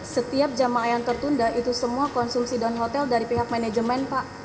setiap jemaah yang tertunda itu semua konsumsi dan hotel dari pihak manajemen pak